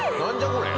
これ。